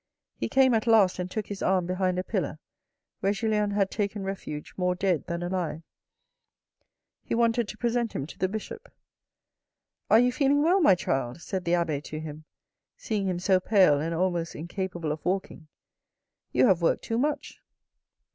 He came at last and took his arm behind a pillar where Julien had taken refuge more dead than alive. He wanted to present him to the Bishop. " Are you feeling well, my child ?" said the abbe to him, seeing him so pale, and almost incapable of walking. " You have worked too much."